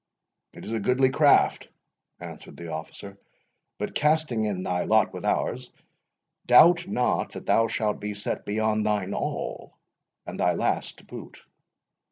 "It is a goodly craft," answered the officer; "but casting in thy lot with ours, doubt not that thou shalt be set beyond thine awl, and thy last to boot."